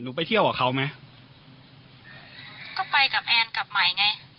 ไปเที่ยวกับเขาไหมก็ไปกับแอนกลับใหม่ไง